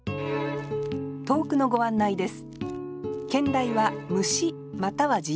投句のご案内です